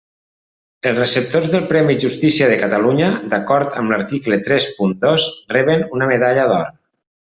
Els receptors del Premi Justícia de Catalunya, d'acord amb l'article tres punt dos, reben una medalla d'or.